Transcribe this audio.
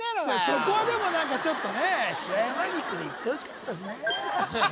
そこはでも何かちょっとねえしらやまぎくでいってほしかったっすね